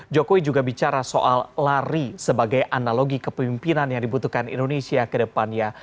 jokowi juga bicara soal lari sebagai analogi kepemimpinan yang dibutuhkan indonesia ke depannya